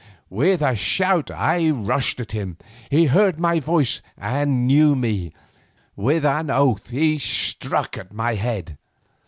With a shout I rushed at him. He heard my voice and knew me. With an oath he struck at my head.